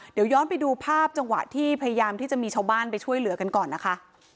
เดี๋ยวย้อนไปดูภาพจังหวะที่พยายามที่จะมีชาวบ้านไปช่วยเหลือกันก่อนนะคะ